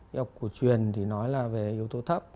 yếu tố của hồ chuyền thì nói là về yếu tố thấp